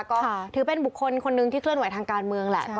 ก็ถือเป็นบุคคลคนหนึ่งที่เคลื่อนไหวทางการเมืองแหละ